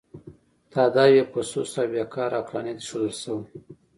تاداو یې په سست او بې کاره عقلانیت اېښودل شوی.